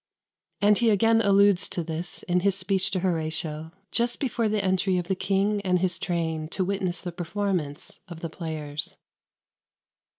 " And he again alludes to this in his speech to Horatio, just before the entry of the king and his train to witness the performance of the players.